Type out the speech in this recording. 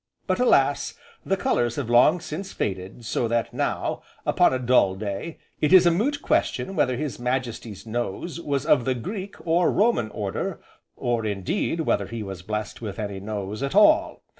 But alas! the colours have long since faded, so that now, (upon a dull day), it is a moot question whether His Majesty's nose was of the Greek, or Roman order, or, indeed, whether he was blessed with any nose at all.